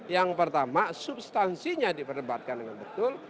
yang pertama substansinya diperdebatkan dengan betul